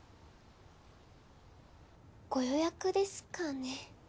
ご予約ですかね？